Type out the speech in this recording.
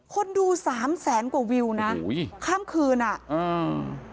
คนดูสามแสนกว่าวิวนะอุ้ยข้ามคืนอ่ะอืม